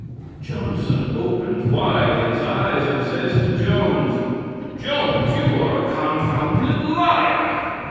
Johnson opens wide his eyes and says to Jones, "Jones, you are a confounded liar!"